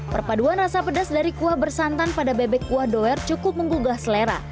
perpaduan rasa pedas dari kuah bersantan pada bebek kuah doer cukup menggugah selera